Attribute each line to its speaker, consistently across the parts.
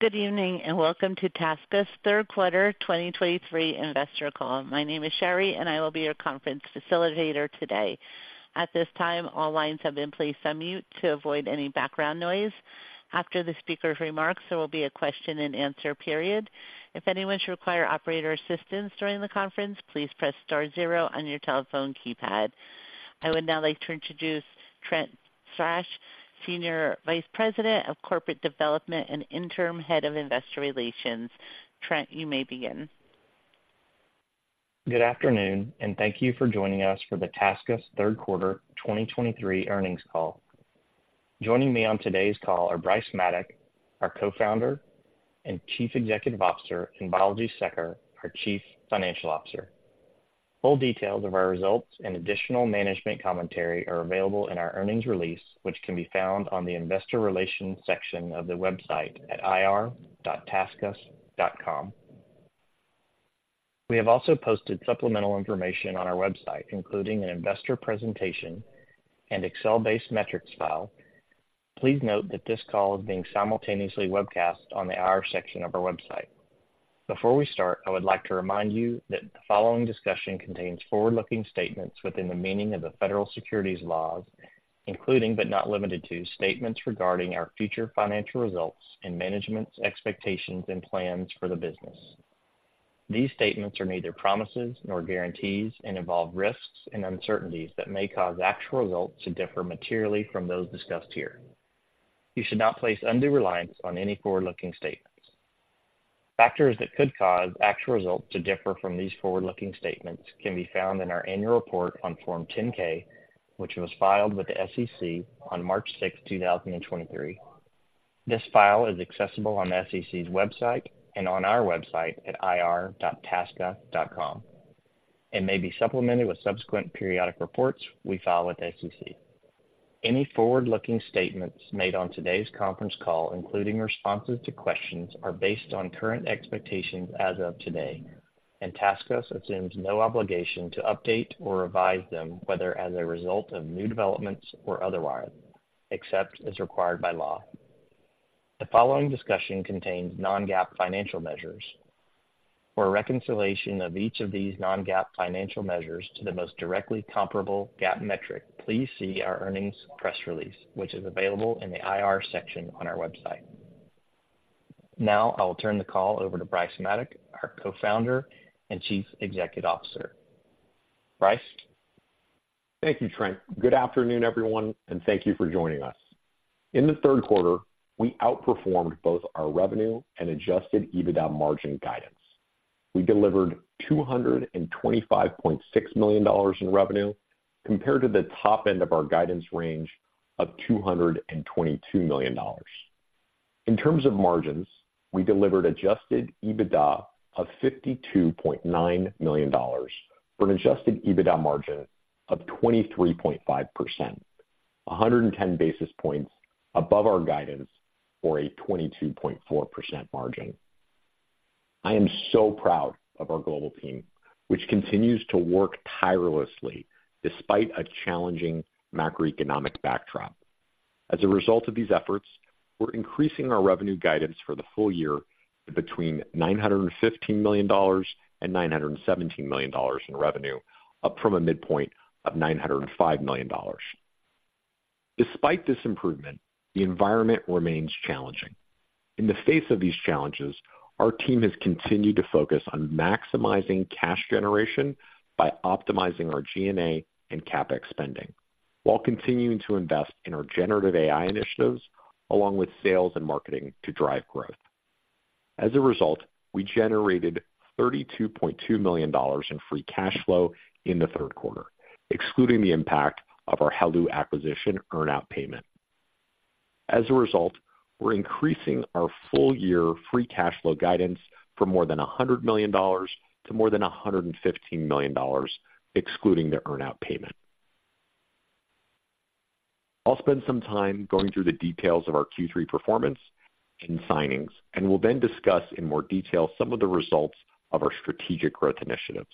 Speaker 1: Good evening, and welcome to TaskUs' third quarter 2023 investor call. My name is Sherry, and I will be your conference facilitator today. At this time, all lines have been placed on mute to avoid any background noise. After the speaker's remarks, there will be a question-and-answer period. If anyone should require operator assistance during the conference, please press star zero on your telephone keypad. I would now like to introduce Trent Thrash, Senior Vice President of Corporate Development and Interim Head of Investor Relations. Trent, you may begin.
Speaker 2: Good afternoon, and thank you for joining us for the TaskUs third quarter 2023 earnings call. Joining me on today's call are Bryce Maddock, our Co-founder and Chief Executive Officer, and Balaji Sekar, our Chief Financial Officer. Full details of our results and additional management commentary are available in our earnings release, which can be found on the Investor Relations section of the website at ir.taskus.com. We have also posted supplemental information on our website, including an investor presentation and Excel-based metrics file. Please note that this call is being simultaneously webcast on the IR section of our website. Before we start, I would like to remind you that the following discussion contains forward-looking statements within the meaning of the federal securities laws, including, but not limited to, statements regarding our future financial results and management's expectations and plans for the business. These statements are neither promises nor guarantees and involve risks and uncertainties that may cause actual results to differ materially from those discussed here. You should not place undue reliance on any forward-looking statements. Factors that could cause actual results to differ from these forward-looking statements can be found in our annual report on Form 10-K, which was filed with the SEC on March 6, 2023. This file is accessible on SEC's website and on our website at ir.taskus.com and may be supplemented with subsequent periodic reports we file with SEC. Any forward-looking statements made on today's conference call, including responses to questions, are based on current expectations as of today, and TaskUs assumes no obligation to update or revise them, whether as a result of new developments or otherwise, except as required by law. The following discussion contains non-GAAP financial measures. For a reconciliation of each of these non-GAAP financial measures to the most directly comparable GAAP metric, please see our earnings press release, which is available in the IR section on our website. Now, I will turn the call over to Bryce Maddock, our Co-founder and Chief Executive Officer. Bryce?
Speaker 3: Thank you, Trent. Good afternoon, everyone, and thank you for joining us. In the third quarter, we outperformed both our revenue and adjusted EBITDA margin guidance. We delivered $225.6 million in revenue compared to the top end of our guidance range of $222 million. In terms of margins, we delivered adjusted EBITDA of $52.9 million, for an adjusted EBITDA margin of 23.5%, 110 basis points above our guidance for a 22.4% margin. I am so proud of our global team, which continues to work tirelessly despite a challenging macroeconomic backdrop. As a result of these efforts, we're increasing our revenue guidance for the full-year to between $915 million and $917 million in revenue, up from a midpoint of $905 million. Despite this improvement, the environment remains challenging. In the face of these challenges, our team has continued to focus on maximizing cash generation by optimizing our SG&A and CapEx spending, while continuing to invest in our generative AI initiatives, along with sales and marketing to drive growth. As a result, we generated $32.2 million in free cash flow in the third quarter, excluding the impact of our heloo acquisition earn out payment. As a result, we're increasing our full-year free cash flow guidance from more than $100 million to more than $115 million, excluding the earn out payment. I'll spend some time going through the details of our Q3 performance and signings, and we'll then discuss in more detail some of the results of our strategic growth initiatives.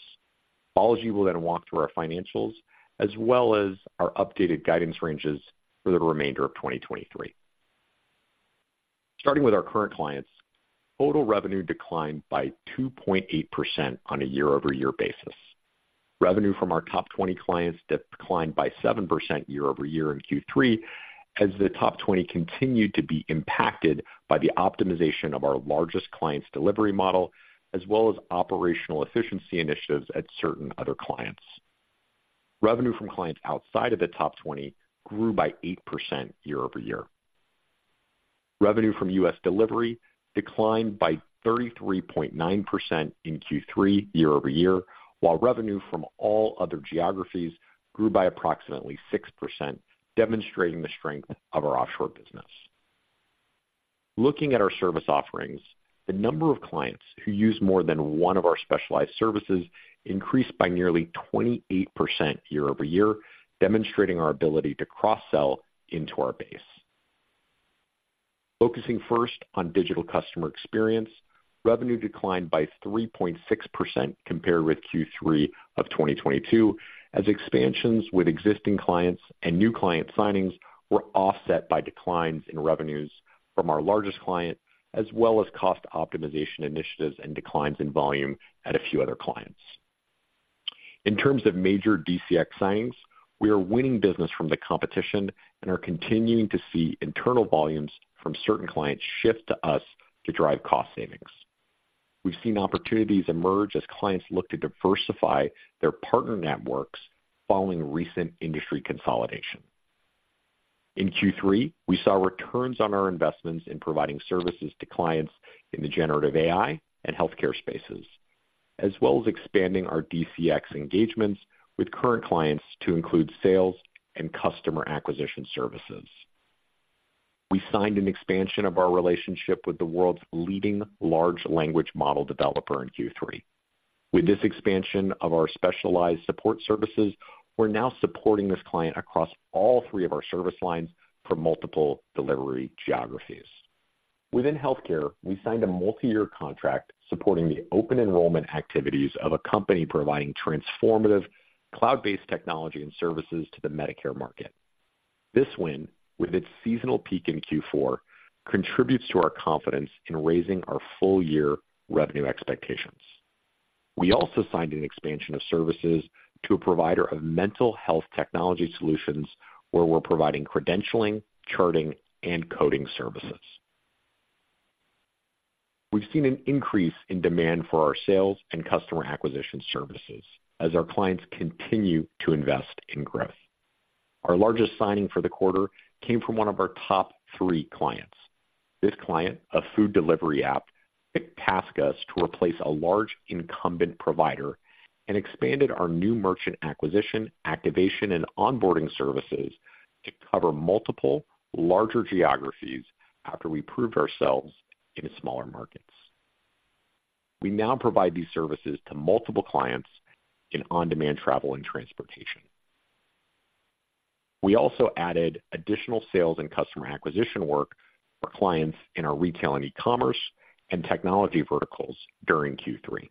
Speaker 3: Balaji will then walk through our financials as well as our updated guidance ranges for the remainder of 2023. Starting with our current clients, total revenue declined by 2.8% on a year-over-year basis. Revenue from our top 20 clients declined by 7% year-over-year in Q3, as the top 20 continued to be impacted by the optimization of our largest clients' delivery model, as well as operational efficiency initiatives at certain other clients. Revenue from clients outside of the top 20 grew by 8% year-over-year. Revenue from U.S. delivery declined by 33.9% in Q3 year-over-year, while revenue from all other geographies grew by approximately 6%, demonstrating the strength of our offshore business. Looking at our service offerings, the number of clients who use more than one of our specialized services increased by nearly 28% year-over-year, demonstrating our ability to cross-sell into our base. Focusing first on Digital Customer Experience, revenue declined by 3.6% compared with Q3 of 2022, as expansions with existing clients and new client signings were offset by declines in revenues from our largest client, as well as cost optimization initiatives and declines in volume at a few other clients. In terms of major DCX signings, we are winning business from the competition and are continuing to see internal volumes from certain clients shift to us to drive cost savings. We've seen opportunities emerge as clients look to diversify their partner networks following recent industry consolidation. In Q3, we saw returns on our investments in providing services to clients in the generative AI and healthcare spaces, as well as expanding our DCX engagements with current clients to include sales and customer acquisition services. We signed an expansion of our relationship with the world's leading Large Language Model developer in Q3. With this expansion of our specialized support services, we're now supporting this client across all three of our service lines for multiple delivery geographies. Within healthcare, we signed a multi-year contract supporting the open enrollment activities of a company providing transformative cloud-based technology and services to the Medicare market. This win, with its seasonal peak in Q4, contributes to our confidence in raising our full-year revenue expectations. We also signed an expansion of services to a provider of mental health technology solutions, where we're providing credentialing, charting, and coding services. We've seen an increase in demand for our sales and customer acquisition services as our clients continue to invest in growth. Our largest signing for the quarter came from one of our top three clients. This client, a food delivery app, picked TaskUs to replace a large incumbent provider and expanded our new merchant acquisition, activation, and onboarding services to cover multiple larger geographies after we proved ourselves in smaller markets. We now provide these services to multiple clients in on-demand travel and transportation. We also added additional sales and customer acquisition work for clients in our retail and e-commerce and technology verticals during Q3.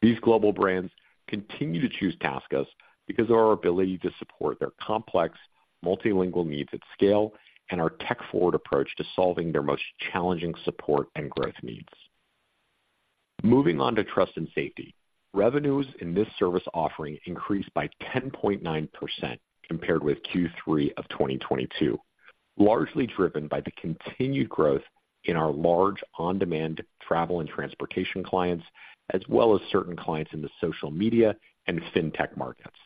Speaker 3: These global brands continue to choose TaskUs because of our ability to support their complex multilingual needs at scale and our tech-forward approach to solving their most challenging support and growth needs. Moving on to Trust and Safety. Revenues in this service offering increased by 10.9% compared with Q3 of 2022, largely driven by the continued growth in our large on-demand travel and transportation clients, as well as certain clients in the social media and fintech markets.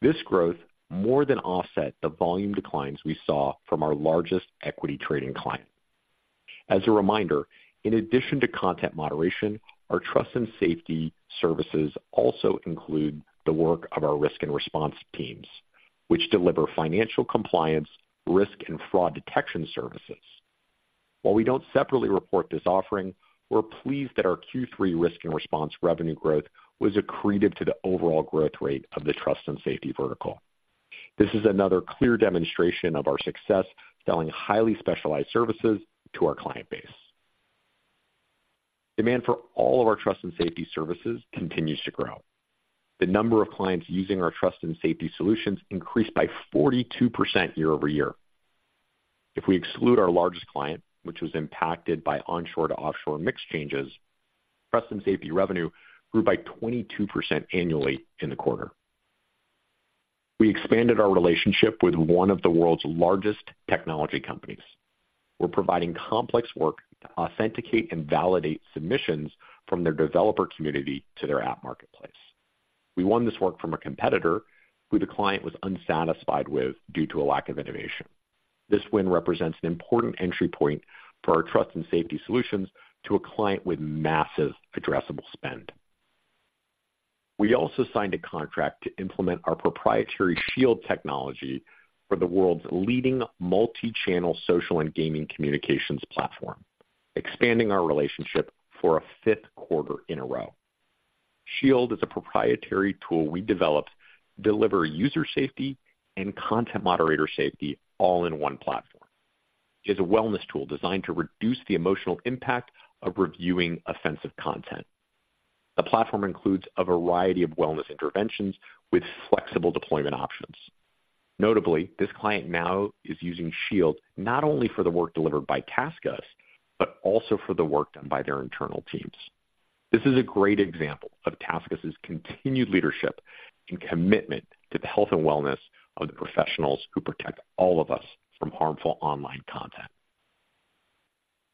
Speaker 3: This growth more than offset the volume declines we saw from our largest equity trading client. As a reminder, in addition to content moderation, our Trust and Safety services also include the work of our risk and response teams, which deliver financial compliance, risk, and fraud detection services. While we don't separately report this offering, we're pleased that our Q3 risk and response revenue growth was accretive to the overall growth rate of the Trust and Safety vertical. This is another clear demonstration of our success selling highly specialized services to our client base. Demand for all of our Trust and Safety services continues to grow. The number of clients using our Trust and Safety solutions increased by 42% year-over-year. If we exclude our largest client, which was impacted by onshore to offshore mix changes, Trust and Safety revenue grew by 22% annually in the quarter. We expanded our relationship with one of the world's largest technology companies. We're providing complex work to authenticate and validate submissions from their developer community to their app marketplace. We won this work from a competitor who the client was unsatisfied with due to a lack of innovation. This win represents an important entry point for our Trust and Safety solutions to a client with massive addressable spend. We also signed a contract to implement our proprietary Shield technology for the world's leading multi-channel social and gaming communications platform, expanding our relationship for a fifth quarter in a row. Shield is a proprietary tool we developed to deliver user safety and content moderator safety all in one platform. It's a wellness tool designed to reduce the emotional impact of reviewing offensive content. The platform includes a variety of wellness interventions with flexible deployment options. Notably, this client now is using Shield not only for the work delivered by TaskUs, but also for the work done by their internal teams. This is a great example of TaskUs' continued leadership and commitment to the health and wellness of the professionals who protect all of us from harmful online content.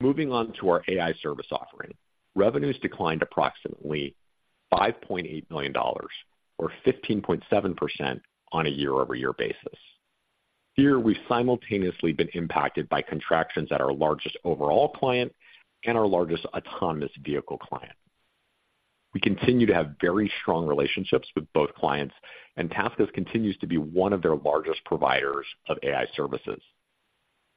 Speaker 3: Moving on to our AI Service offering. Revenues declined approximately $5.8 million, or 15.7% on a year-over-year basis. Here, we've simultaneously been impacted by contractions at our largest overall client and our largest autonomous vehicle client. We continue to have very strong relationships with both clients, and TaskUs continues to be one of their largest providers AI Services.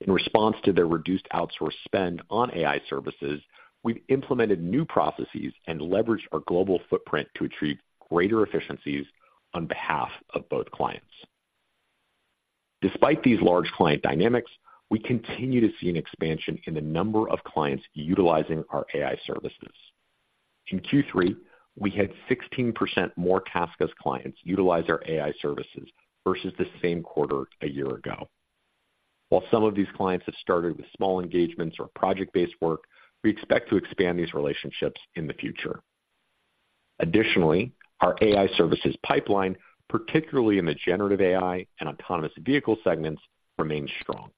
Speaker 3: in response to their reduced outsource spend AI Services, we've implemented new processes and leveraged our global footprint to achieve greater efficiencies on behalf of both clients.... Despite these large client dynamics, we continue to see an expansion in the number of clients utilizing AI Services. in Q3, we had 16% more TaskUs clients utilize AI Services versus the same quarter a year ago. While some of these clients have started with small engagements or project-based work, we expect to expand these relationships in the future. Additionally, our AI Services pipeline, particularly in the generative AI and autonomous vehicle segments, remains strong.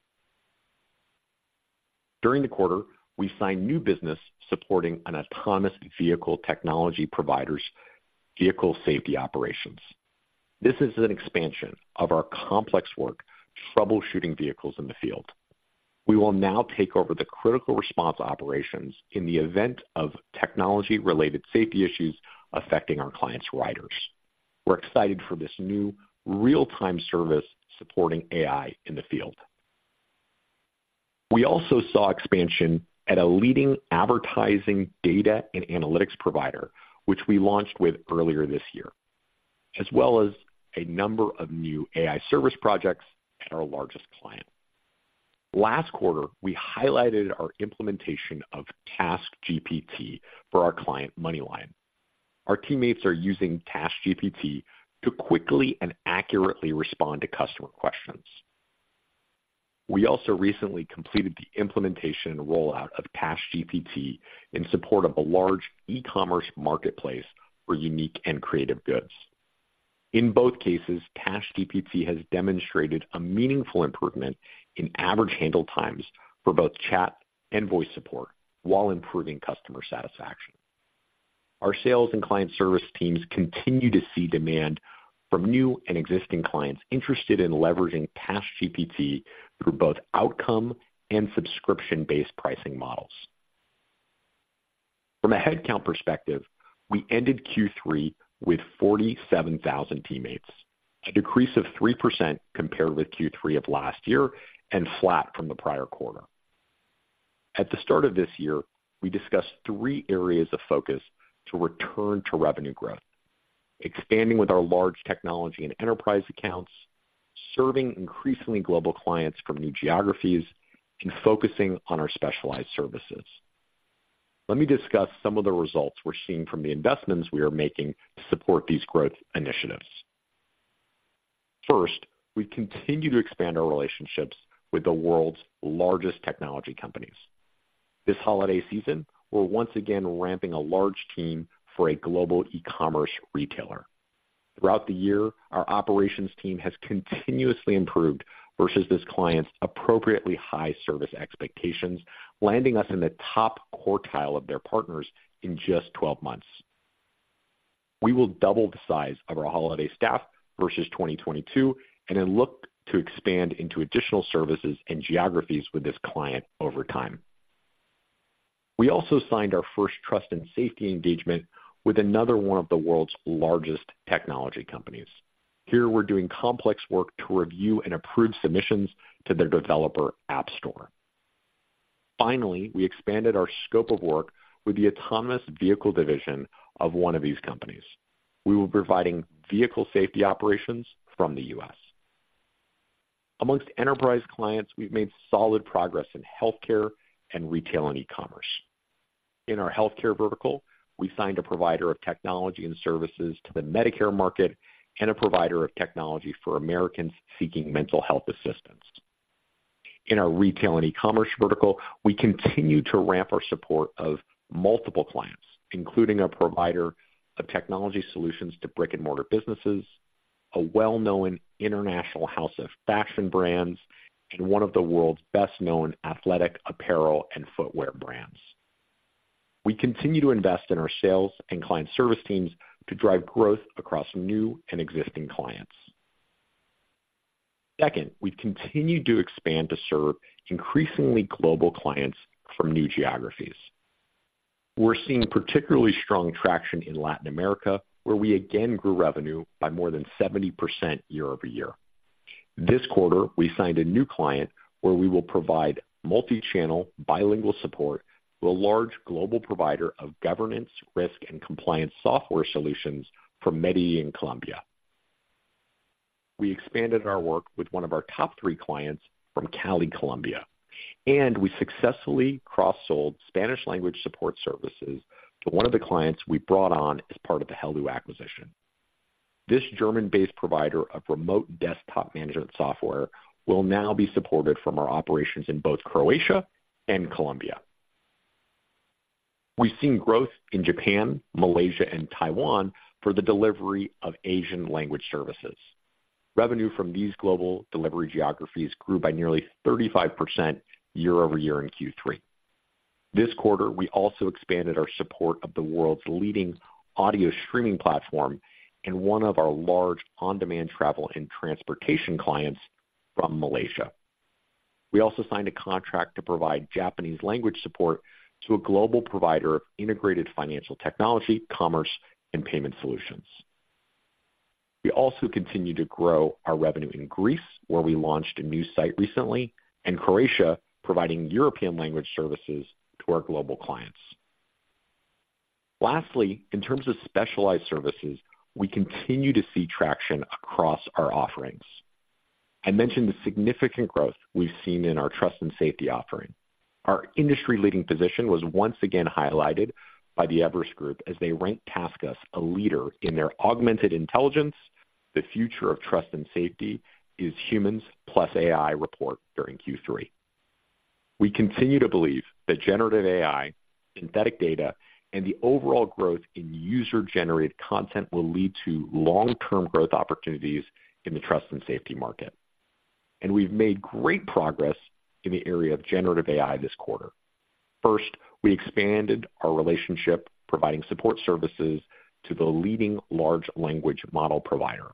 Speaker 3: During the quarter, we signed new business supporting an autonomous vehicle technology provider's vehicle safety operations. This is an expansion of our complex work troubleshooting vehicles in the field. We will now take over the critical response operations in the event of technology-related safety issues affecting our clients' riders. We're excited for this new real-time service supporting AI in the field. We also saw expansion at a leading advertising data and analytics provider, which we launched with earlier this year, as well as a number of new AI Service projects at our largest client. Last quarter, we highlighted our implementation of TaskGPT for our client, MoneyLion. Our teammates are using TaskGPT to quickly and accurately respond to customer questions. We also recently completed the implementation and rollout of TaskGPT in support of a large e-commerce marketplace for unique and creative goods. In both cases, TaskGPT has demonstrated a meaningful improvement in average handle times for both chat and voice support while improving customer satisfaction. Our sales and client service teams continue to see demand from new and existing clients interested in leveraging TaskGPT through both outcome and subscription-based pricing models. From a headcount perspective, we ended Q3 with 47,000 teammates, a decrease of 3% compared with Q3 of last year and flat from the prior quarter. At the start of this year, we discussed three areas of focus to return to revenue growth: expanding with our large technology and enterprise accounts, serving increasingly global clients from new geographies, and focusing on our specialized services. Let me discuss some of the results we're seeing from the investments we are making to support these growth initiatives. First, we continue to expand our relationships with the world's largest technology companies. This holiday season, we're once again ramping a large team for a global e-commerce retailer. Throughout the year, our operations team has continuously improved versus this client's appropriately high service expectations, landing us in the top quartile of their partners in just 12 months. We will double the size of our holiday staff versus 2022 and then look to expand into additional services and geographies with this client over time. We also signed our first Trust and Safety engagement with another one of the world's largest technology companies. Here, we're doing complex work to review and approve submissions to their developer app store. Finally, we expanded our scope of work with the autonomous vehicle division of one of these companies. We will be providing vehicle safety operations from the U.S. Among enterprise clients, we've made solid progress in healthcare and retail and e-commerce. In our healthcare vertical, we signed a provider of technology and services to the Medicare market and a provider of technology for Americans seeking mental health assistance. In our retail and e-commerce vertical, we continue to ramp our support of multiple clients, including a provider of technology solutions to brick-and-mortar businesses, a well-known international house of fashion brands, and one of the world's best-known athletic apparel and footwear brands. We continue to invest in our sales and client service teams to drive growth across new and existing clients. Second, we've continued to expand to serve increasingly global clients from new geographies. We're seeing particularly strong traction in Latin America, where we again grew revenue by more than 70% year-over-year. This quarter, we signed a new client where we will provide multi-channel, bilingual support to a large global provider of governance, risk, and compliance software solutions from Medellín, Colombia. We expanded our work with one of our top three clients from Cali, Colombia, and we successfully cross-sold Spanish language support services to one of the clients we brought on as part of the heloo acquisition. This German-based provider of remote desktop management software will now be supported from our operations in both Croatia and Colombia. We've seen growth in Japan, Malaysia, and Taiwan for the delivery of Asian language services. Revenue from these global delivery geographies grew by nearly 35% year-over-year in Q3. This quarter, we also expanded our support of the world's leading audio streaming platform and one of our large on-demand travel and transportation clients from Malaysia. We also signed a contract to provide Japanese language support to a global provider of integrated financial technology, commerce, and payment solutions. We also continue to grow our revenue in Greece, where we launched a new site recently, and Croatia, providing European language services to our global clients… Lastly, in terms of specialized services, we continue to see traction across our offerings. I mentioned the significant growth we've seen in our Trust and Safety offering. Our industry-leading position was once again highlighted by the Everest Group as they ranked TaskUs a leader in their Augmented Intelligence: The Future of Trust and Safety is Humans plus AI report during Q3. We continue to believe that generative AI, synthetic data, and the overall growth in user-generated content will lead to long-term growth opportunities in the Trust and Safety market, and we've made great progress in the area of generative AI this quarter. First, we expanded our relationship, providing support services to the leading Large Language Model provider.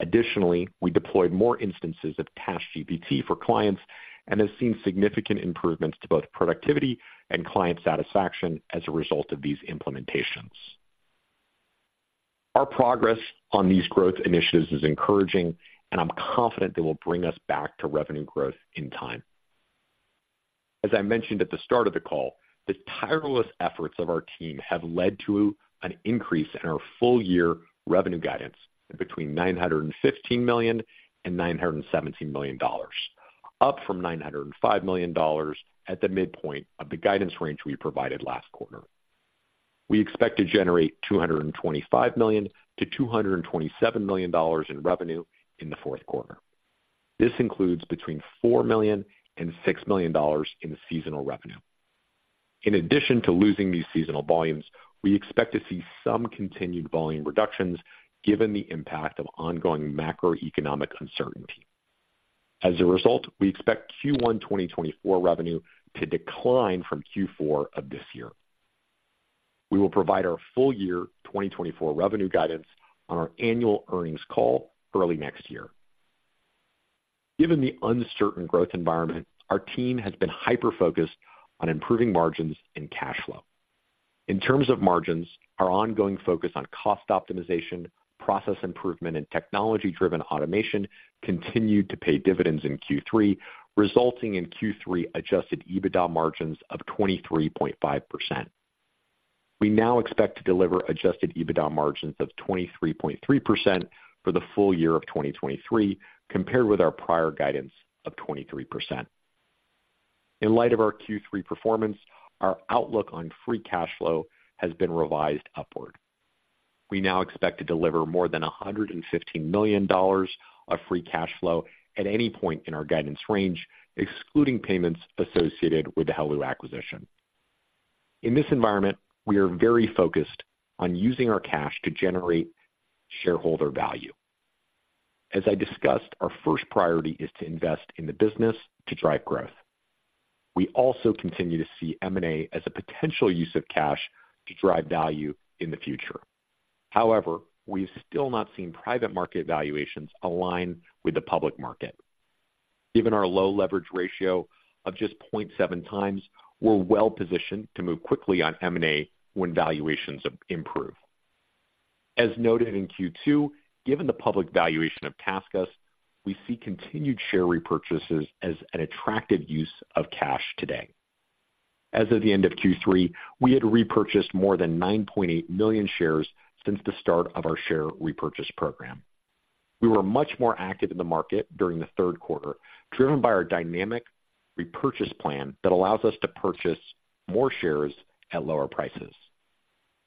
Speaker 3: Additionally, we deployed more instances of TaskGPT for clients and have seen significant improvements to both productivity and client satisfaction as a result of these implementations. Our progress on these growth initiatives is encouraging, and I'm confident they will bring us back to revenue growth in time. As I mentioned at the start of the call, the tireless efforts of our team have led to an increase in our full-year revenue guidance between $915 million and $917 million, up from $905 million at the midpoint of the guidance range we provided last quarter. We expect to generate $225 million to $227 million in revenue in the fourth quarter. This includes between $4 million and $6 million in seasonal revenue. In addition to losing these seasonal volumes, we expect to see some continued volume reductions given the impact of ongoing macroeconomic uncertainty. As a result, we expect Q1 2024 revenue to decline from Q4 of this year. We will provide our full-year 2024 revenue guidance on our annual earnings call early next year. Given the uncertain growth environment, our team has been hyper-focused on improving margins and cash flow. In terms of margins, our ongoing focus on cost optimization, process improvement, and technology-driven automation continued to pay dividends in Q3, resulting in Q3 adjusted EBITDA margins of 23.5%. We now expect to deliver adjusted EBITDA margins of 23.3% for the full-year of 2023, compared with our prior guidance of 23%. In light of our Q3 performance, our outlook on free cash flow has been revised upward. We now expect to deliver more than $115 million of free cash flow at any point in our guidance range, excluding payments associated with the heloo acquisition. In this environment, we are very focused on using our cash to generate shareholder value. As I discussed, our first priority is to invest in the business to drive growth. We also continue to see M&A as a potential use of cash to drive value in the future. However, we've still not seen private market valuations align with the public market. Given our low leverage ratio of just 0.7x, we're well-positioned to move quickly on M&A when valuations improve. As noted in Q2, given the public valuation of TaskUs, we see continued share repurchases as an attractive use of cash today. As of the end of Q3, we had repurchased more than 9.8 million shares since the start of our share repurchase program. We were much more active in the market during the third quarter, driven by our dynamic repurchase plan that allows us to purchase more shares at lower prices.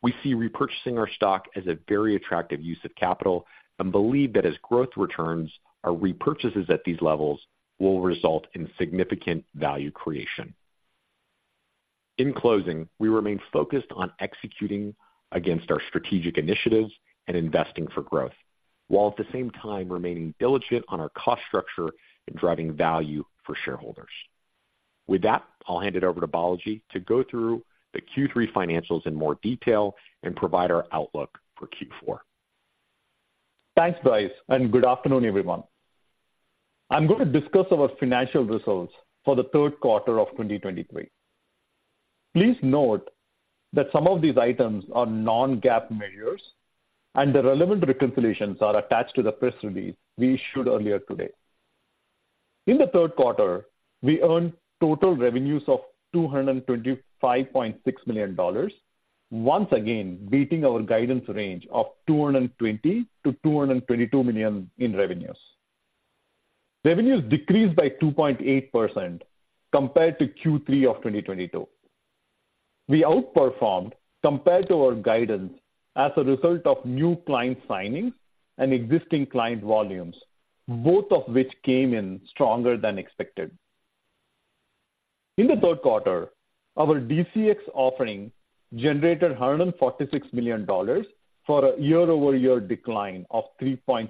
Speaker 3: We see repurchasing our stock as a very attractive use of capital and believe that as growth returns, our repurchases at these levels will result in significant value creation. In closing, we remain focused on executing against our strategic initiatives and investing for growth, while at the same time remaining diligent on our cost structure and driving value for shareholders. With that, I'll hand it over to Balaji to go through the Q3 financials in more detail and provide our outlook for Q4.
Speaker 4: Thanks, Bryce, and good afternoon, everyone. I'm going to discuss our financial results for the third quarter of 2023. Please note that some of these items are non-GAAP measures, and the relevant reconciliations are attached to the press release we issued earlier today. In the third quarter, we earned total revenues of $225.6 million, once again beating our guidance range of $220 million-$222 million in revenues. Revenues decreased by 2.8% compared to Q3 of 2022. We outperformed compared to our guidance as a result of new client signings and existing client volumes, both of which came in stronger than expected. In the third quarter, our DCX offering generated $146 million, for a year-over-year decline of 3.6%,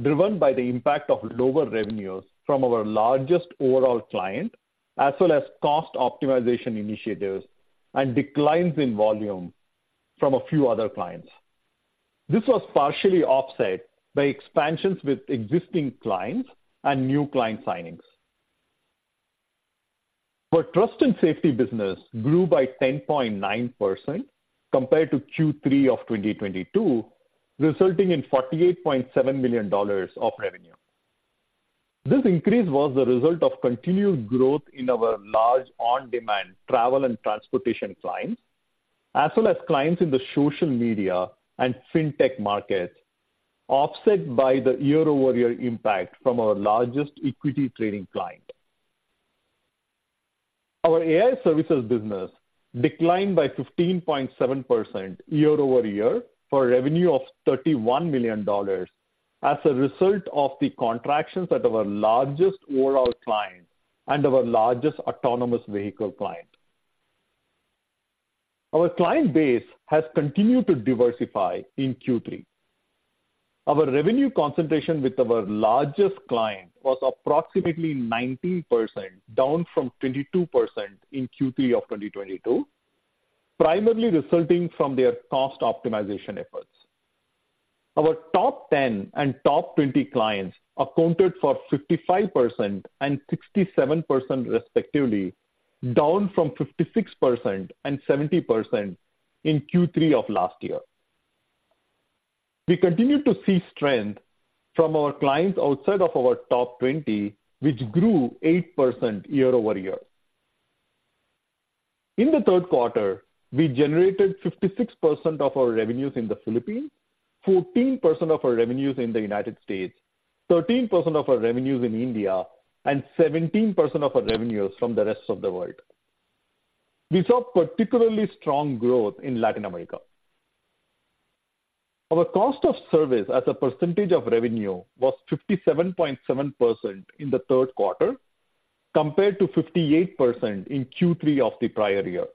Speaker 4: driven by the impact of lower revenues from our largest overall client, as well as cost optimization initiatives and declines in volume from a few other clients. This was partially offset by expansions with existing clients and new client signings. Our Trust and Safety business grew by 10.9% compared to Q3 of 2022, resulting in $48.7 million of revenue. This increase was the result of continued growth in our large on-demand travel and transportation clients, as well as clients in the social media and fintech market, offset by the year-over-year impact from our largest equity trading client. AI Services business declined by 15.7% year-over-year, for revenue of $31 million, as a result of the contractions at our largest overall client and our largest autonomous vehicle client. Our client base has continued to diversify in Q3. Our revenue concentration with our largest client was approximately 19%, down from 22% in Q3 of 2022, primarily resulting from their cost optimization efforts. Our top 10 and top 20 clients accounted for 55% and 67% respectively, down from 56% and 70% in Q3 of last year. We continue to see strength from our clients outside of our top twenty, which grew 8% year-over-year. In the third quarter, we generated 56% of our revenues in the Philippines, 14% of our revenues in the United States, 13% of our revenues in India, and 17% of our revenues from the rest of the world. We saw particularly strong growth in Latin America. Our cost of service as a percentage of revenue was 57.7% in the third quarter, compared to 58% in Q3 of the prior year.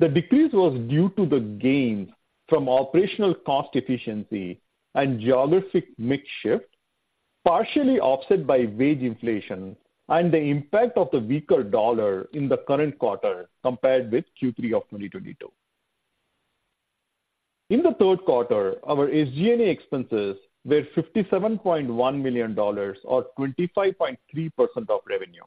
Speaker 4: The decrease was due to the gains from operational cost efficiency and geographic mix shift, partially offset by wage inflation and the impact of the weaker dollar in the current quarter, compared with Q3 of 2022. In the third quarter, our SG&A expenses were $57.1 million, or 25.3% of revenue.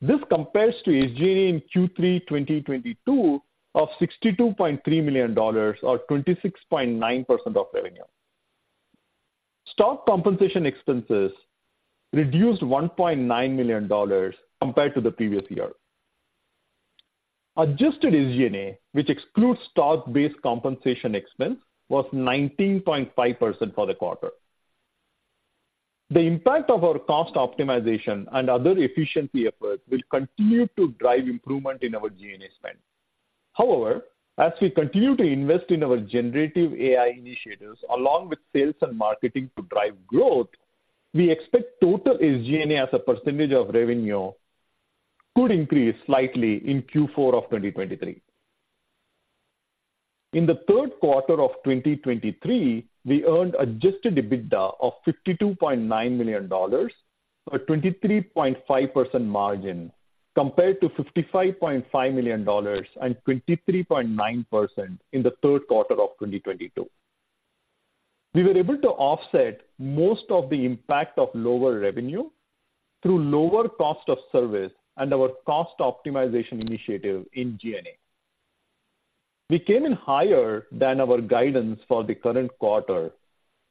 Speaker 4: This compares to SG&A in Q3 2022 of $62.3 million or 26.9% of revenue. Stock compensation expenses reduced $1.9 million compared to the previous year. Adjusted SG&A, which excludes stock-based compensation expense, was 19.5% for the quarter. The impact of our cost optimization and other efficiency efforts will continue to drive improvement in our G&A spend. However, as we continue to invest in our generative AI initiatives, along with sales and marketing to drive growth, we expect total SG&A as a percentage of revenue could increase slightly in Q4 of 2023. In the third quarter of 2023, we earned adjusted EBITDA of $52.9 million, a 23.5% margin, compared to $55.5 million and 23.9% in the third quarter of 2022. We were able to offset most of the impact of lower revenue through lower cost of service and our cost optimization initiative in G&A. We came in higher than our guidance for the current quarter,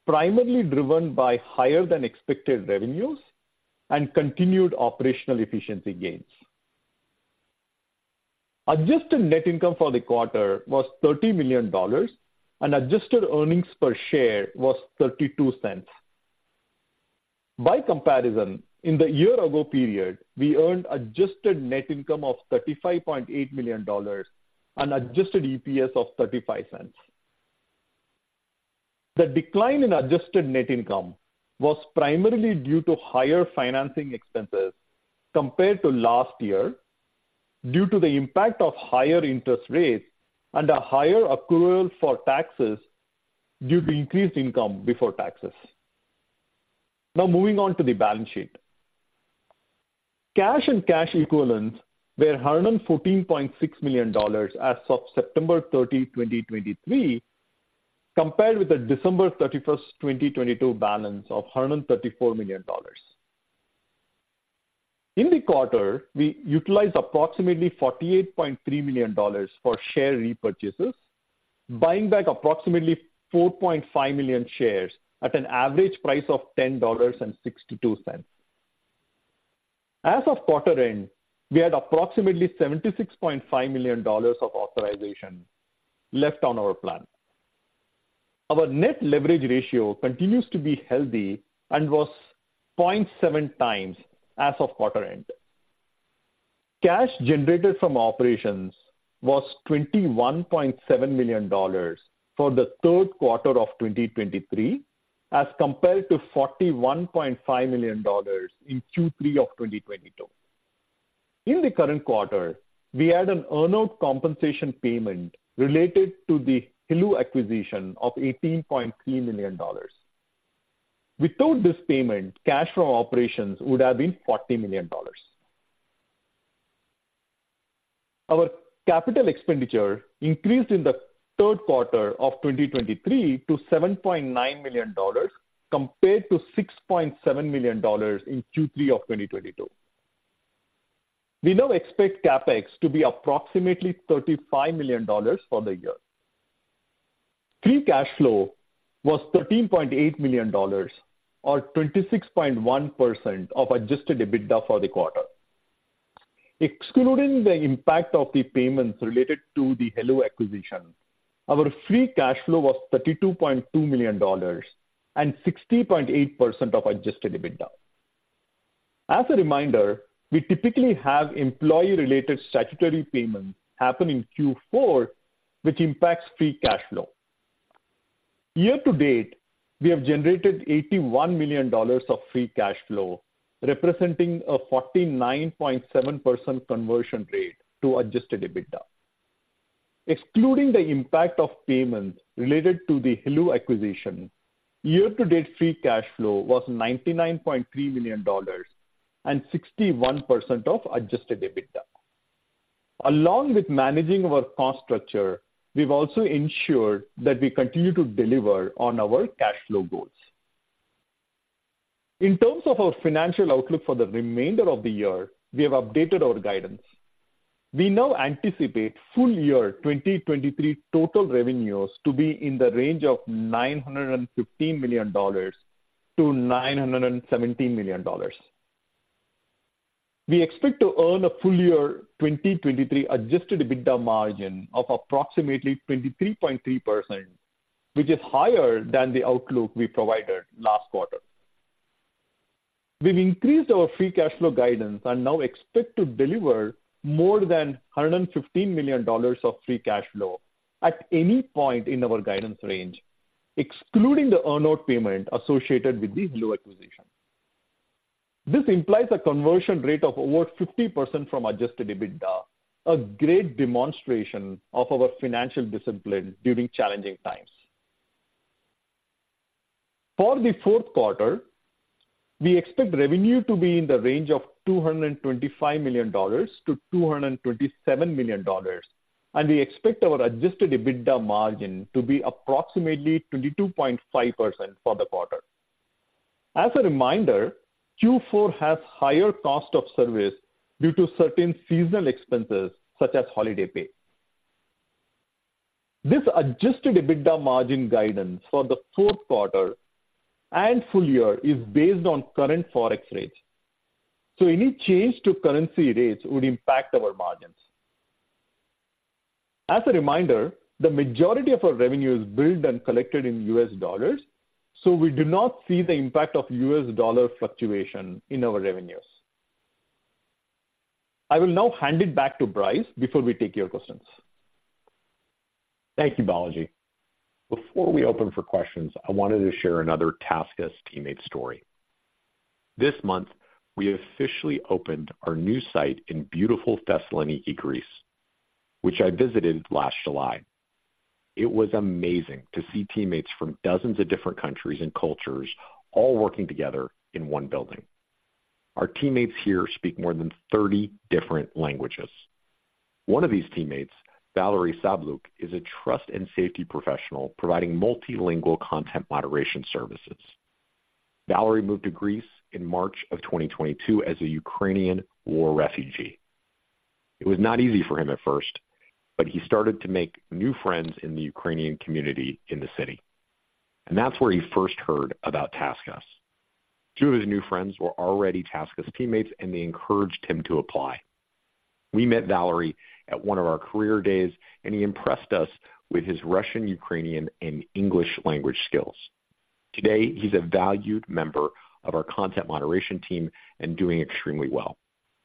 Speaker 4: primarily driven by higher than expected revenues and continued operational efficiency gains. Adjusted net income for the quarter was $30 million, and adjusted earnings per share was $0.32. By comparison, in the year ago period, we earned adjusted net income of $35.8 million and adjusted EPS of $0.35. The decline in adjusted net income was primarily due to higher financing expenses compared to last year, due to the impact of higher interest rates and a higher accrual for taxes due to increased income before taxes. Now moving on to the balance sheet. Cash and cash equivalents were $114.6 million as of September 30, 2023, compared with the December 31, 2022, balance of $134 million. In the quarter, we utilized approximately $48.3 million for share repurchases, buying back approximately 4.5 million shares at an average price of $10.62. As of quarter end, we had approximately $76.5 million of authorization left on our plan. Our net leverage ratio continues to be healthy and was 0.7x as of quarter end. Cash generated from operations was $21.7 million for the third quarter of 2023, as compared to $41.5 million in Q3 of 2022. In the current quarter, we had an earnout compensation payment related to the heloo acquisition of $18.3 million. Without this payment, cash from operations would have been $40 million. Our capital expenditure increased in the third quarter of 2023 to $7.9 million, compared to $6.7 million in Q3 of 2022. We now expect CapEx to be approximately $35 million for the year. Free cash flow was $13.8 million, or 26.1% of adjusted EBITDA for the quarter. Excluding the impact of the payments related to the heloo acquisition, our free cash flow was $32.2 million and 60.8% of adjusted EBITDA. As a reminder, we typically have employee-related statutory payments happening in Q4, which impacts free cash flow. Year-to-date, we have generated $81 million of free cash flow, representing a 49.7% conversion rate to adjusted EBITDA. Excluding the impact of payments related to the heloo acquisition, year-to-date free cash flow was $99.3 million and 61% of adjusted EBITDA. Along with managing our cost structure, we've also ensured that we continue to deliver on our cash flow goals. In terms of our financial outlook for the remainder of the year, we have updated our guidance. We now anticipate full-year 2023 total revenues to be in the range of $915 million-$917 million. We expect to earn a full-year 2023 adjusted EBITDA margin of approximately 23.3%, which is higher than the outlook we provided last quarter. We've increased our free cash flow guidance and now expect to deliver more than $115 million of free cash flow at any point in our guidance range, excluding the earn-out payment associated with the heloo acquisition. This implies a conversion rate of over 50% from adjusted EBITDA, a great demonstration of our financial discipline during challenging times. For the fourth quarter, we expect revenue to be in the range of $225 million-$227 million, and we expect our adjusted EBITDA margin to be approximately 22.5% for the quarter. As a reminder, Q4 has higher cost of service due to certain seasonal expenses, such as holiday pay. This adjusted EBITDA margin guidance for the fourth quarter and full-year is based on current Forex rates, so any change to currency rates would impact our margins. As a reminder, the majority of our revenue is billed and collected in U.S. dollars, so we do not see the impact of U.S. dollar fluctuation in our revenues. I will now hand it back to Bryce before we take your questions.
Speaker 3: Thank you, Balaji. Before we open for questions, I wanted to share another TaskUs teammate story. This month, we officially opened our new site in beautiful Thessaloniki, Greece, which I visited last July. It was amazing to see teammates from dozens of different countries and cultures all working together in one building. Our teammates here speak more than 30 different languages. One of these teammates, Valerii Sabliuk, is a Trust and Safety professional providing multilingual content moderation services. Valerii moved to Greece in March 2022 as a Ukrainian war refugee. It was not easy for him at first, but he started to make new friends in the Ukrainian community in the city, and that's where he first heard about TaskUs. Two of his new friends were already TaskUs teammates, and they encouraged him to apply. We met Valerii at one of our career days, and he impressed us with his Russian, Ukrainian, and English language skills. Today, he's a valued member of our content moderation team and doing extremely well.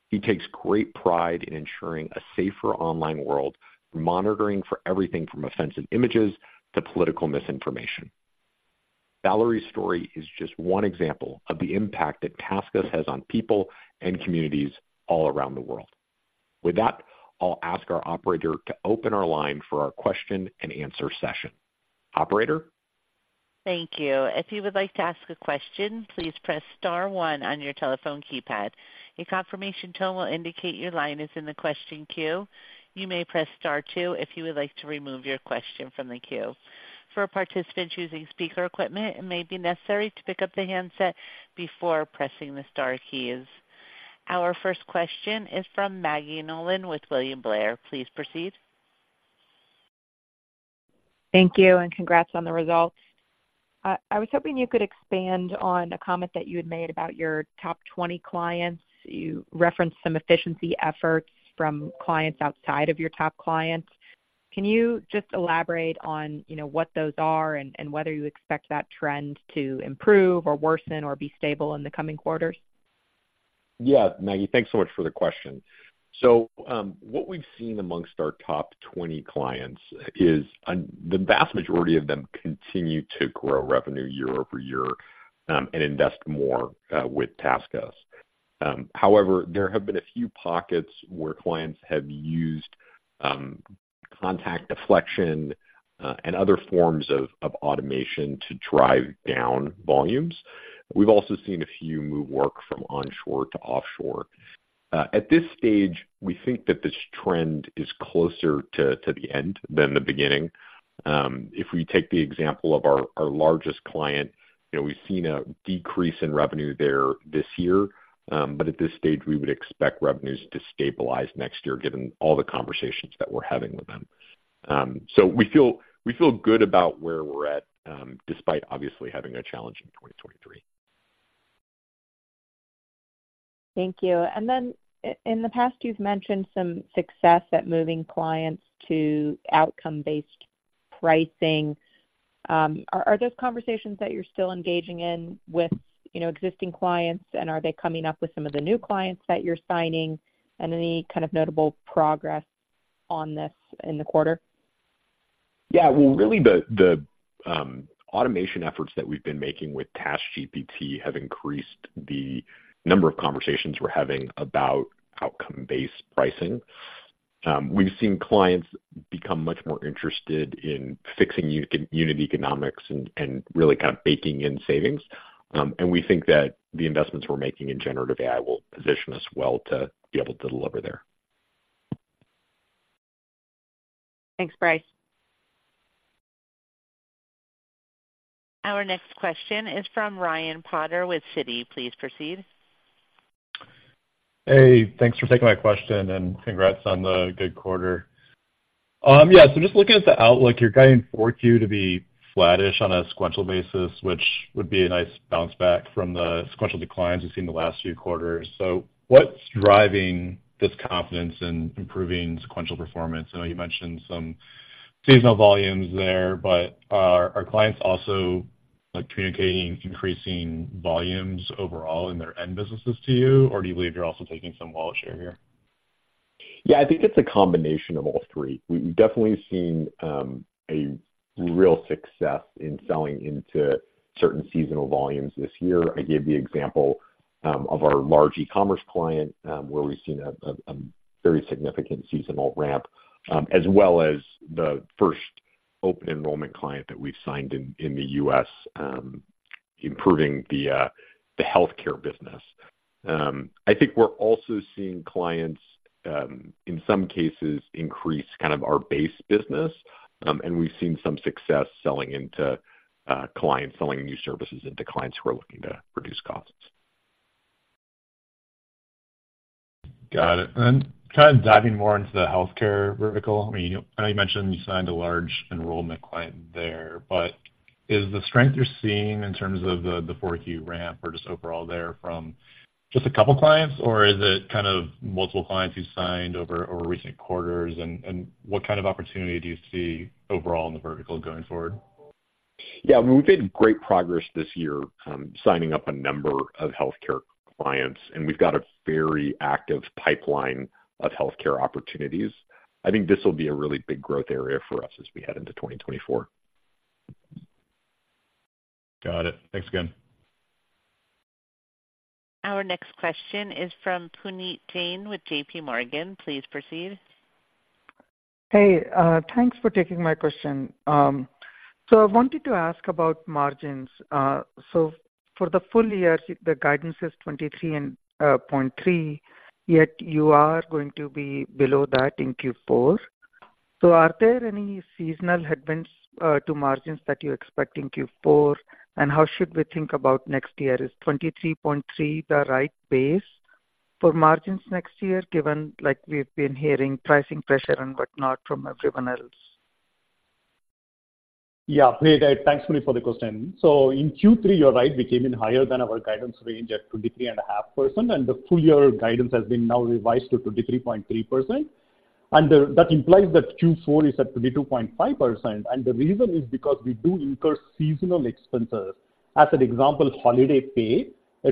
Speaker 3: He takes great pride in ensuring a safer online world, monitoring for everything from offensive images to political misinformation. Valerii's story is just one example of the impact that TaskUs has on people and communities all around the world. With that, I'll ask our operator to open our line for our question and answer session. Operator?
Speaker 1: Thank you. If you would like to ask a question, please press star one on your telephone keypad. A confirmation tone will indicate your line is in the question queue. You may press star two if you would like to remove your question from the queue. For a participant choosing speaker equipment, it may be necessary to pick up the handset before pressing the star keys. Our first question is from Maggie Nolan with William Blair. Please proceed.
Speaker 5: Thank you, and congrats on the results. I was hoping you could expand on a comment that you had made about your top 20 clients. You referenced some efficiency efforts from clients outside of your top clients. Can you just elaborate on, you know, what those are and, and whether you expect that trend to improve or worsen or be stable in the coming quarters?
Speaker 3: Yeah, Maggie, thanks so much for the question. So, what we've seen amongst our top 20 clients is the vast majority of them continue to grow revenue year-over-year and invest more with TaskUs. However, there have been a few pockets where clients have used contact deflection and other forms of automation to drive down volumes. We've also seen a few move work from onshore to offshore. At this stage, we think that this trend is closer to the end than the beginning. If we take the example of our largest client, you know, we've seen a decrease in revenue there this year, but at this stage, we would expect revenues to stabilize next year, given all the conversations that we're having with them. We feel good about where we're at, despite obviously having a challenging 2023.
Speaker 5: Thank you. And then in the past, you've mentioned some success at moving clients to outcome-based pricing. Are those conversations that you're still engaging in with, you know, existing clients? And are they coming up with some of the new clients that you're signing, and any kind of notable progress on this in the quarter?
Speaker 3: Yeah. Well, really, the automation efforts that we've been making with TaskGPT have increased the number of conversations we're having about outcome-based pricing. We've seen clients become much more interested in fixing unit economics and really kind of baking in savings. And we think that the investments we're making in generative AI will position us well to be able to deliver there.
Speaker 5: Thanks, Bryce.
Speaker 1: Our next question is from Ryan Potter with Citi. Please proceed.
Speaker 6: Hey, thanks for taking my question, and congrats on the good quarter. Yeah, so just looking at the outlook, you're guiding 4Q to be flattish on a sequential basis, which would be a nice bounce back from the sequential declines we've seen in the last few quarters. So what's driving this confidence in improving sequential performance? I know you mentioned some seasonal volumes there, but are clients also, like, communicating increasing volumes overall in their end businesses to you, or do you believe you're also taking some wallet share here?
Speaker 3: Yeah, I think it's a combination of all three. We've definitely seen a real success in selling into certain seasonal volumes this year. I gave the example of our large e-commerce client where we've seen a very significant seasonal ramp as well as the first open enrollment client that we've signed in the U.S. improving the healthcare business. I think we're also seeing clients in some cases increase kind of our base business and we've seen some success selling into clients selling new services into clients who are looking to reduce costs.
Speaker 6: Got it. And kind of diving more into the healthcare vertical, I mean, I know you mentioned you signed a large enrollment client there, but is the strength you're seeing in terms of the Q4 ramp or just overall there from just a couple clients, or is it kind of multiple clients you've signed over recent quarters? And what kind of opportunity do you see overall in the vertical going forward?
Speaker 3: Yeah, we've made great progress this year, signing up a number of healthcare clients, and we've got a very active pipeline of healthcare opportunities. I think this will be a really big growth area for us as we head into 2024.
Speaker 6: Got it. Thanks again.
Speaker 1: Our next question is from Puneet Jain with JPMorgan. Please proceed.
Speaker 7: Hey, thanks for taking my question. So I wanted to ask about margins. So for the full-year, the guidance is 23.3%, yet you are going to be below that in Q4. So are there any seasonal headwinds to margins that you expect in Q4? And how should we think about next year? Is 23.3% the right base for margins next year, given, like, we've been hearing pricing pressure and whatnot from everyone else?
Speaker 4: Yeah. Hey, thanks, Puneet, for the question. So in Q3, you're right, we came in higher than our guidance range at 23.5%, and the full-year guidance has been now revised to 23.3%. And the, that implies that Q4 is at 22.5%, and the reason is because we do incur seasonal expenses, as an example, holiday pay,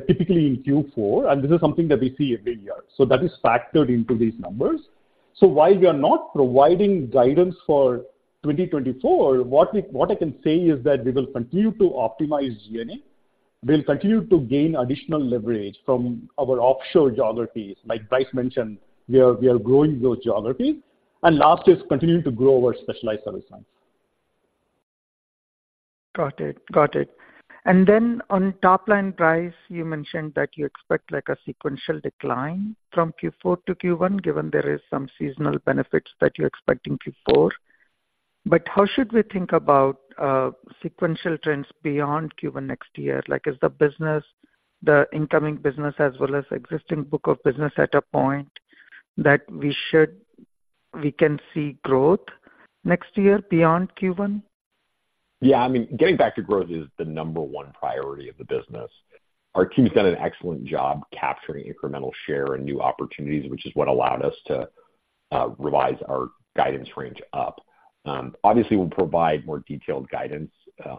Speaker 4: typically in Q4, and this is something that we see every year. So that is factored into these numbers. So while we are not providing guidance for 2024, what we—what I can say is that we will continue to optimize G&A. We'll continue to gain additional leverage from our offshore geographies. Like Bryce mentioned, we are, we are growing those geographies. And last is continuing to grow our specialized service lines.
Speaker 7: Got it. Got it. And then on top line price, you mentioned that you expect, like, a sequential decline from Q4 to Q1, given there is some seasonal benefits that you're expecting Q4. But how should we think about sequential trends beyond Q1 next year? Like, is the business, the incoming business, as well as existing book of business, at a point that we should... We can see growth next year beyond Q1?
Speaker 3: Yeah, I mean, getting back to growth is the number one priority of the business. Our team's done an excellent job capturing incremental share and new opportunities, which is what allowed us to revise our guidance range up. Obviously, we'll provide more detailed guidance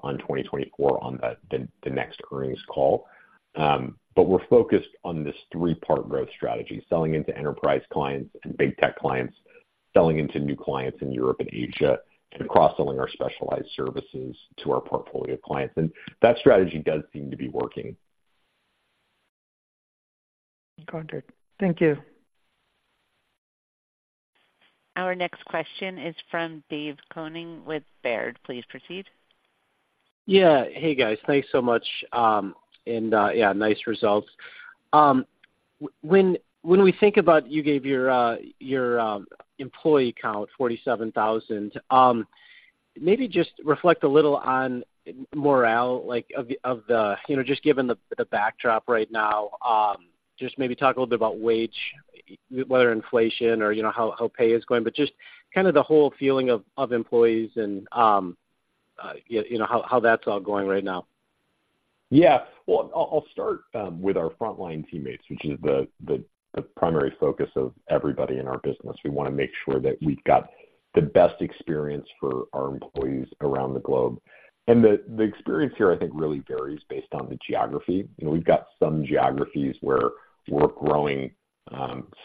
Speaker 3: on 2024 on the next earnings call. But we're focused on this three-part growth strategy: selling into enterprise clients and big tech clients, selling into new clients in Europe and Asia, and cross-selling our specialized services to our portfolio clients. That strategy does seem to be working.
Speaker 7: Got it. Thank you.
Speaker 1: Our next question is from Dave Koning with Baird. Please proceed.
Speaker 8: Yeah. Hey, guys. Thanks so much. Yeah, nice results. When we think about, you gave your employee count, 47,000. Maybe just reflect a little on morale, like, of the you know, just given the backdrop right now, just maybe talk a little bit about wage, whether inflation or you know, how pay is going, but just kind of the whole feeling of employees and yeah, how that's all going right now?
Speaker 3: Yeah. Well, I'll start with our frontline teammates, which is the primary focus of everybody in our business. We wanna make sure that we've got the best experience for our employees around the globe. And the experience here, I think, really varies based on the geography. You know, we've got some geographies where we're growing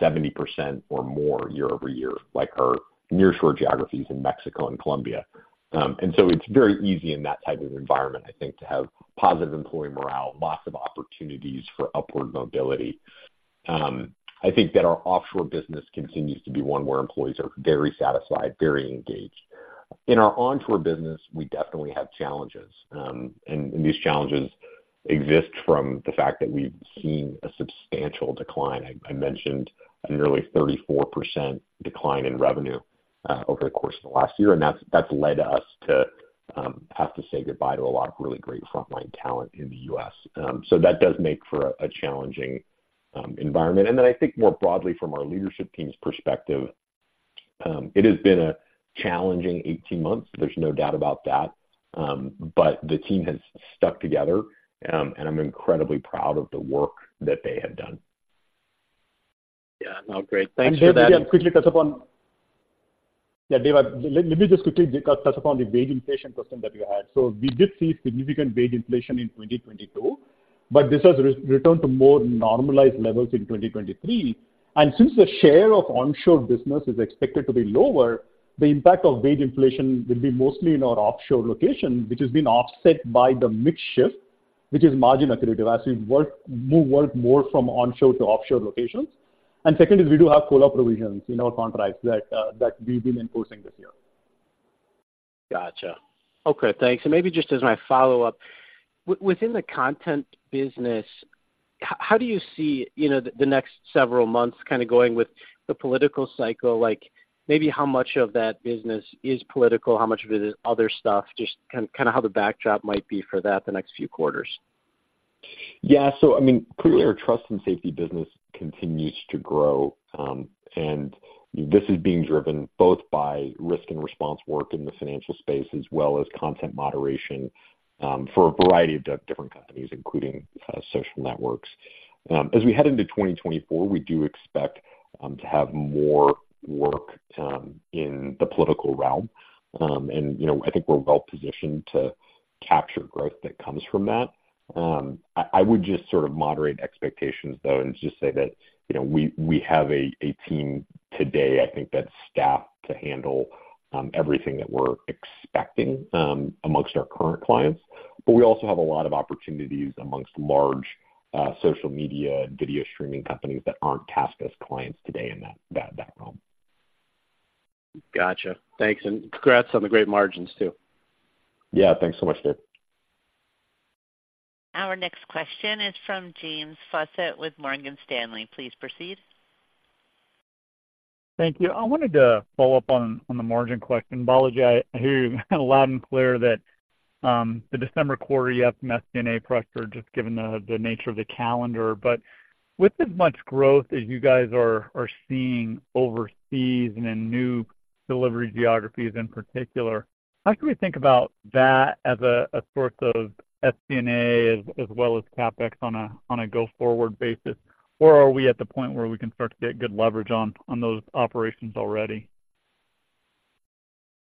Speaker 3: 70% or more year-over-year, like our nearshore geographies in Mexico and Colombia. And so it's very easy in that type of environment, I think, to have positive employee morale, lots of opportunities for upward mobility. I think that our offshore business continues to be one where employees are very satisfied, very engaged. In our onshore business, we definitely have challenges, and these challenges exist from the fact that we've seen a substantial decline. I mentioned a nearly 34% decline in revenue over the course of the last year, and that's led us to have to say goodbye to a lot of really great frontline talent in the U.S. So that does make for a challenging environment. And then I think more broadly from our leadership team's perspective, it has been a challenging 18 months, there's no doubt about that, but the team has stuck together, and I'm incredibly proud of the work that they have done.
Speaker 9: Yeah. No, great. Thanks for that-
Speaker 4: Yeah, Dave, let me just quickly touch upon the wage inflation question that you had. So we did see significant wage inflation in 2022, but this has returned to more normalized levels in 2023. And since the share of onshore business is expected to be lower, the impact of wage inflation will be mostly in our offshore location, which has been offset by the mix shift, which is margin accretive as we move work more from onshore to offshore locations. And second is we do have co-op provisions in our contracts that we've been enforcing this year.
Speaker 8: Gotcha. Okay, thanks. And maybe just as my follow-up, within the content business, how do you see, you know, the next several months kind of going with the political cycle? Like, maybe how much of that business is political, how much of it is other stuff, just kind of how the backdrop might be for that the next few quarters.
Speaker 3: Yeah, so I mean, clearly, our Trust and Safety business continues to grow, and this is being driven both by risk and response work in the financial space, as well as content moderation, for a variety of different companies, including social networks. As we head into 2024, we do expect to have more work in the political realm. And, you know, I think we're well-positioned to capture growth that comes from that. I would just sort of moderate expectations, though, and just say that, you know, we have a team today, I think, that's staffed to handle everything that we're expecting amongst our current clients. But we also have a lot of opportunities amongst large social media and video streaming companies that aren't TaskUs clients today in that realm.
Speaker 8: Gotcha. Thanks, and congrats on the great margins, too.
Speaker 3: Yeah, thanks so much, Dave.
Speaker 1: Our next question is from James Faucette with Morgan Stanley. Please proceed.
Speaker 10: Thank you. I wanted to follow up on the margin question. I apologize, I hear loud and clear that the December quarter, you have SG&A pressure, just given the nature of the calendar. But with as much growth as you guys are seeing overseas and in new delivery geographies in particular, how can we think about that as a source of SG&A as well as CapEx on a go-forward basis? Or are we at the point where we can start to get good leverage on those operations already?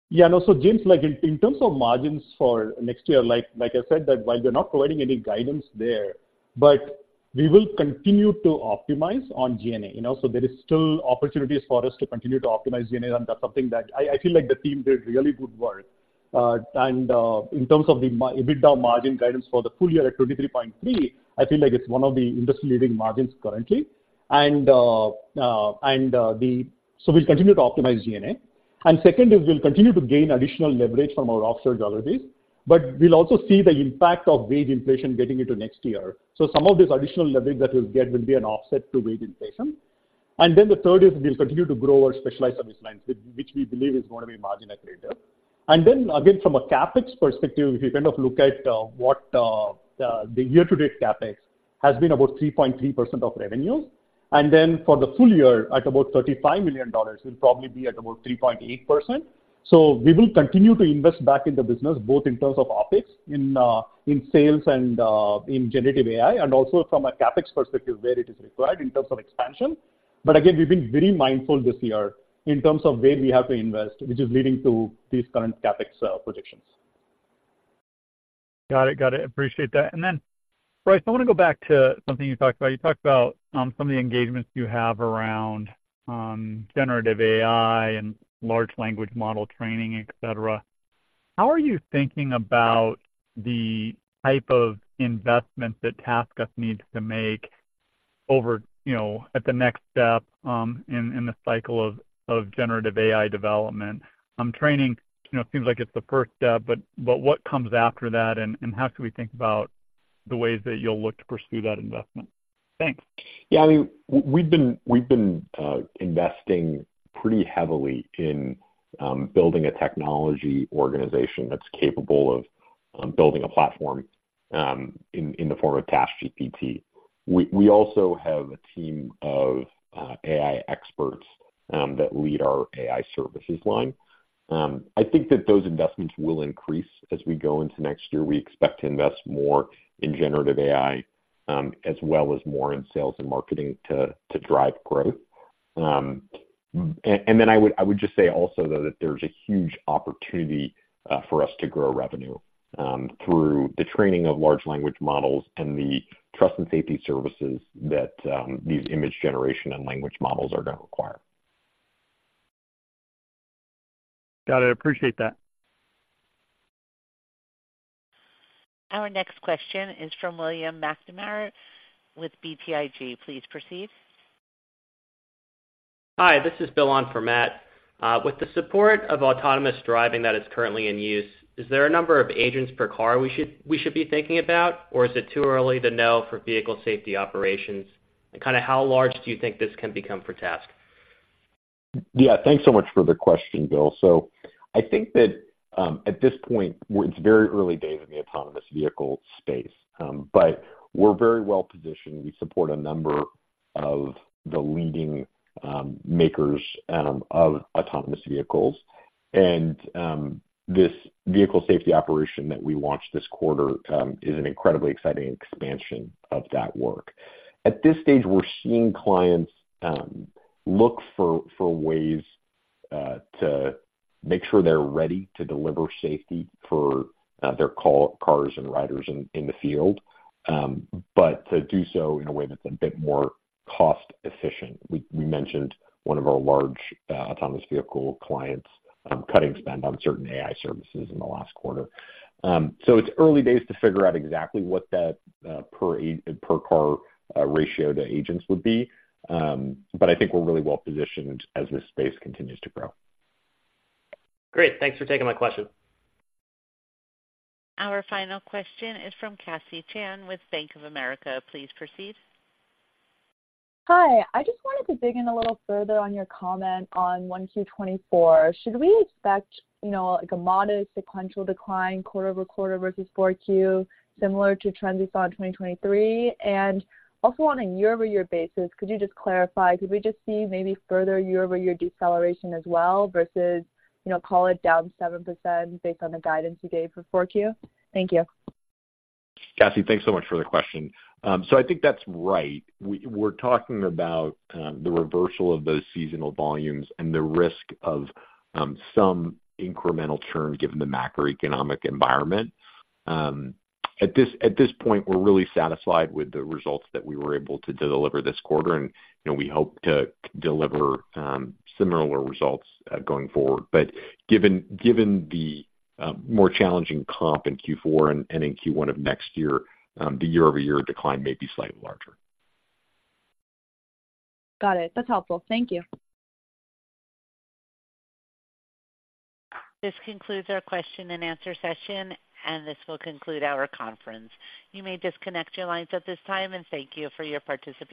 Speaker 4: Yeah, no. So, James, like, in terms of margins for next year, like, like I said, that while we're not providing any guidance there, but we will continue to optimize on SG&A, you know, so there is still opportunities for us to continue to optimize SG&A, and that's something that I, I feel like the team did really good work. In terms of the midpoint EBITDA margin guidance for the full-year at 23.3%, I feel like it's one of the industry-leading margins currently. So we'll continue to optimize SG&A. And second is we'll continue to gain additional leverage from our offshore geographies, but we'll also see the impact of wage inflation getting into next year. So some of this additional leverage that we'll get will be an offset to wage inflation. And then the third is we'll continue to grow our specialized service lines, which we believe is going to be margin accretive. And then again, from a CapEx perspective, if you kind of look at what the year-to-date CapEx has been about 3.3% of revenue, and then for the full-year, at about $35 million, we'll probably be at about 3.8%. So we will continue to invest back in the business, both in terms of OpEx in sales and in generative AI, and also from a CapEx perspective, where it is required in terms of expansion. But again, we've been very mindful this year in terms of where we have to invest, which is leading to these current CapEx projections.
Speaker 10: Got it. Got it. Appreciate that. And then, Bryce, I wanna go back to something you talked about. You talked about some of the engagements you have around generative AI and Large Language Model training, et cetera. How are you thinking about the type of investments that TaskUs needs to make over, you know, at the next step in the cycle of generative AI development? Training, you know, seems like it's the first step, but what comes after that, and how can we think about the ways that you'll look to pursue that investment? Thanks.
Speaker 3: Yeah, I mean, we've been investing pretty heavily in building a technology organization that's capable of building a platform in the form of TaskGPT. We also have a team of AI experts that lead AI Services line. I think that those investments will increase as we go into next year. We expect to invest more in generative AI as well as more in sales and marketing to drive growth. And then I would just say also, though, that there's a huge opportunity for us to grow revenue through the training of Large Language Models and the Trust and Safety services that these image generation and language models are gonna require.
Speaker 10: Got it. Appreciate that.
Speaker 1: Our next question is from William McNamara with BTIG. Please proceed.
Speaker 11: Hi, this is Bill on for Matt. With the support of autonomous driving that is currently in use, is there a number of agents per car we should be thinking about? Or is it too early to know for vehicle safety operations? Kinda, how large do you think this can become for TaskUs?
Speaker 3: Yeah, thanks so much for the question, Bill. So I think that at this point, it's very early days in the autonomous vehicle space. But we're very well-positioned. We support a number of the leading makers of autonomous vehicles. And this vehicle safety operation that we launched this quarter is an incredibly exciting expansion of that work. At this stage, we're seeing clients look for ways to make sure they're ready to deliver safety for their cars and riders in the field, but to do so in a way that's a bit more cost-efficient. We mentioned one of our large autonomous vehicle clients cutting spend on AI Services in the last quarter. It's early days to figure out exactly what that per car ratio to agents would be, but I think we're really well-positioned as this space continues to grow.
Speaker 11: Great. Thanks for taking my question.
Speaker 1: Our final question is from Cassie Chan with Bank of America. Please proceed.
Speaker 12: Hi, I just wanted to dig in a little further on your comment on 1Q 2024. Should we expect, you know, like, a modest sequential decline quarter-over-quarter versus 4Q, similar to trends we saw in 2023? And also, on a year-over-year basis, could you just clarify, could we just see maybe further year-over-year deceleration as well, versus, you know, call it down 7%, based on the guidance you gave for 4Q? Thank you.
Speaker 3: Cassie, thanks so much for the question. So I think that's right. We're talking about the reversal of those seasonal volumes and the risk of some incremental churn, given the macroeconomic environment. At this point, we're really satisfied with the results that we were able to deliver this quarter, and, you know, we hope to deliver similar results going forward. But given the more challenging comp in Q4 and in Q1 of next year, the year-over-year decline may be slightly larger.
Speaker 12: Got it. That's helpful. Thank you.
Speaker 1: This concludes our question and answer session, and this will conclude our conference. You may disconnect your lines at this time, and thank you for your participation.